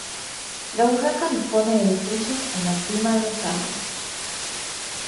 La urraca dispone el suyo en la cima de los árboles.